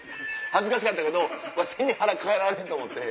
恥ずかしかったけど背に腹代えられんと思って。